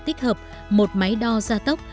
tích hợp một máy đo ra tốc